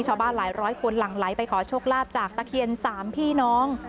ชาวบ้านหลายคนหลังไหลไปขอโชคลาภจากตะเคียน๓พี่น้อง